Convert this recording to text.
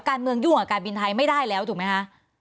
ยุ่งกับการบินไทยไม่ได้แล้วถูกไหมคะ